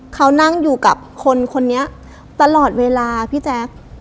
เขานั่งอยู่กับคนคนนี้ตลอดเวลาพี่แจ๊ค